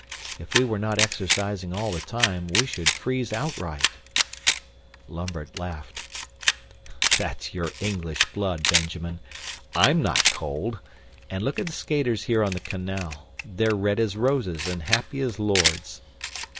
If we were not exercising all the time, we should freeze outright." Lambert laughed. "That's your English blood, Benjamin. I'M not cold. And look at the skaters here on the canal they're red as roses and happy as lords.